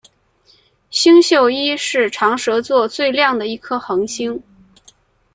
星宿一是长蛇座最亮的一颗恒星。